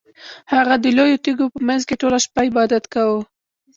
هغه د لویو تیږو په مینځ کې ټوله شپه عبادت کاوه.